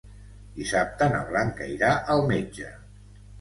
Dissabte na Blanca irà al metge.